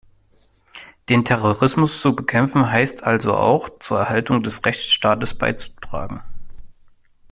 Den Terrorismus zu bekämpfen heißt also auch, zur Erhaltung des Rechtsstaates beizutragen.